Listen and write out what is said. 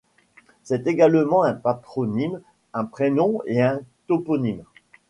C'est également un patronyme, un prénom et un toponyme.